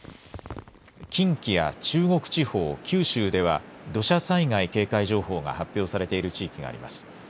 近畿や中国地方、九州では土砂災害警戒情報が発表されている地域があります。